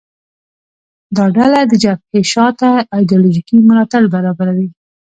دا ډله د جبهې شا ته ایدیالوژیکي ملاتړ برابروي